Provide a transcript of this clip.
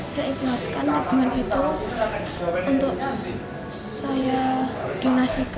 saya ikhlaskan tabungan itu